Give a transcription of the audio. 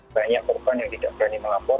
banyak korban yang tidak berani melapor